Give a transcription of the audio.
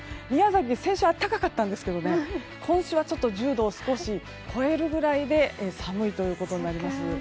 宮崎は先週は暖かかったんですが今週は１０度を少し超えるぐらいで寒いということになります。